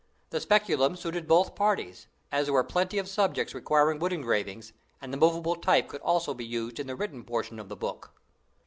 The "Speculum" suited both parties, as there were plenty of subjects requiring wood engravings, and the movable type could also be used in the written portion of the book.